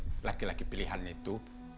bersama dengan laki laki pilihan itu